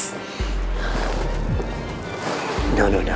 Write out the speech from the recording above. tidak tidak tidak